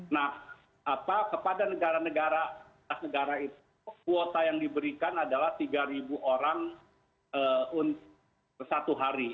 nah kepada negara negara kuota yang diberikan adalah tiga orang satu hari